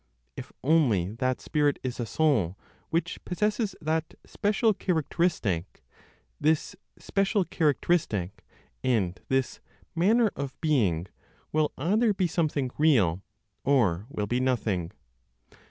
If only that spirit is a soul which possesses that "special characteristic," this "special characteristic" and this "manner of being" will either be something real, or will be nothing.